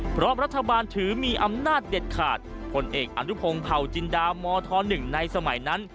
เพราะรัฐบาลถือมีอำนาจเด็ดขาดผลเอกอนุพงศ์เผาจินดามธ๑ในสมัยนั้น